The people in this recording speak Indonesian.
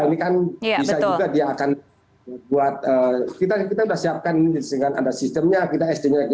ini kan bisa juga